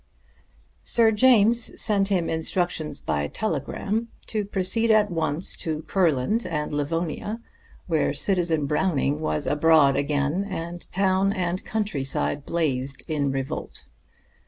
Sir James sent him instructions by telegram to proceed at once to Kurland and Livonia, where Citizen Browning was abroad again, and town and country side blazed in revolt.